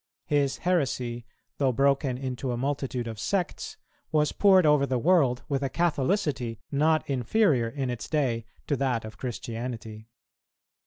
His heresy, though broken into a multitude of sects, was poured over the world with a Catholicity not inferior in its day to that of Christianity.